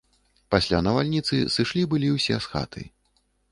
Пасля навальніцы сышлі былі ўсе з хаты.